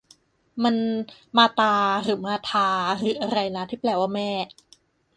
มัน มาตา หรือ มาธา หรืออะไรนะ ที่แปลว่า แม่